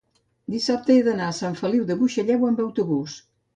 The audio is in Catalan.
dissabte he d'anar a Sant Feliu de Buixalleu amb autobús.